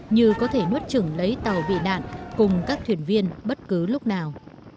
như có thể nuốt trừng lấy tàu bị nạn cùng các thuyền viên bất cứ lúc nào